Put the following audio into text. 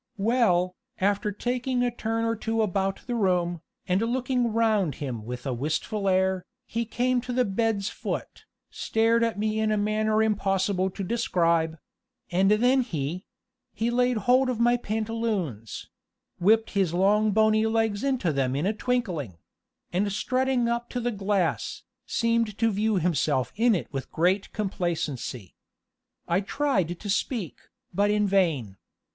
"Well, after taking a turn or two about the room, and looking round him with a wistful air, he came to the bed's foot, stared at me in a manner impossible to describe and then he he laid hold of my pantaloons; whipped his long bony legs into them in a twinkling; and strutting up to the glass, seemed to view himself in it with great complacency. I tried to speak, but in vain.